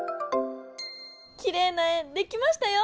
きれいな円できましたよ！